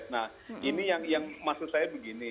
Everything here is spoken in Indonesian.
nah ini yang maksud saya begini